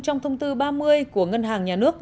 trong thông tư ba mươi của ngân hàng nhà nước